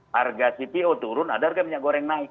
harga cpo turun ada harga minyak goreng naik